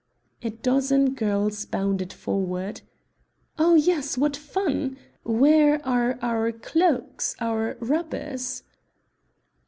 A dozen girls bounded forward. "Oh, yes, what fun! where are our cloaks our rubbers?"